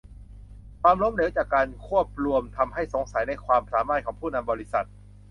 ความล้มเหลวจากการควบรวมทำให้สงสัยในความสามารถของผู้นำบริษัท